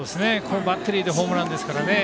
バッテリーでホームランですからね。